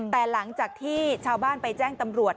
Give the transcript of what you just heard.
แต่หลังจากที่ชาวบ้านไปแจ้งตำรวจ